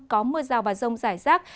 có mưa rào và rông rải rác